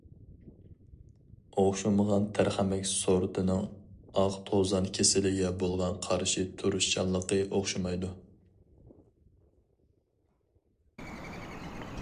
ئوخشىمىغان تەرخەمەك سورتىنىڭ ئاق توزان كېسىلىگە بولغان قارشى تۇرۇشچانلىقى ئوخشىمايدۇ.